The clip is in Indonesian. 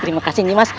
terima kasih nih mas